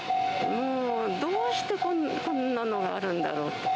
もうどうしてこんなのがあるんだろうと。